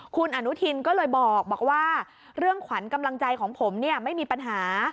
คุณอนุทินก็เลยบอกว่าเรื่องขวัญกำลังใจของผมเนี่ยไม่มีปัญหา